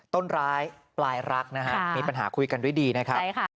ต้นร้ายปลายรักมีปัญหาคุยกันด้วยดีนะครับ